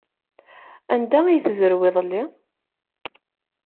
Anda ay tezrew iḍelli?